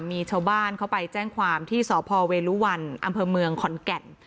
มีชาวบ้านเขาไปแจ้งความที่สพเวลุวันอำเภอเมืองขอนแก่น